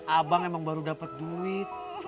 abang emang baru dapat duit